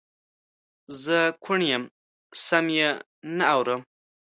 زه کوڼ یم سم یې نه اورم